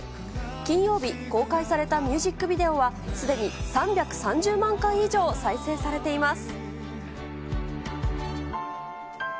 金曜日、公開されたミュージックビデオは、すでに３３０万回以上、再生されています。